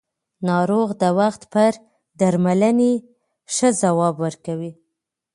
ناروغ د وخت پر درملنې ښه ځواب ورکوي